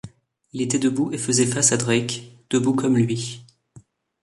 Il était debout et faisait face à Drake, debout comme lui.